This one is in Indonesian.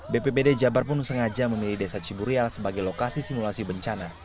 bpbd jabar pun sengaja memilih desa ciburial sebagai lokasi simulasi bencana